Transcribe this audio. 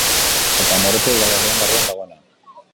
Eta Amoroto udalerriaren barruan dagoena.